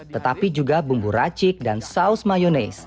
tetapi juga bumbu racik dan saus mayonese